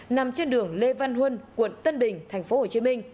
nằm trên đường lê văn huân quận tân bình tp hcm